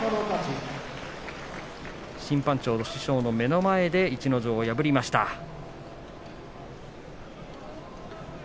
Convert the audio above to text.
審判長の師匠の目の前で逸ノ城を破りました、琴ノ若。